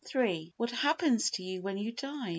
iii What happens to you when you die?